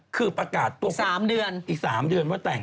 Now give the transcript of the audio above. คือปรากฏ๓เดือน